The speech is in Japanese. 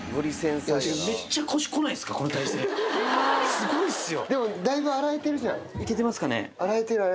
すごいっすよ。